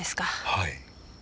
はい。